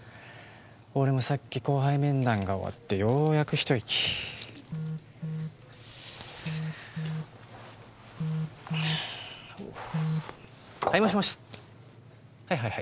俺もさっき後輩面談が終わってようやくひと息はいもしもしはいはい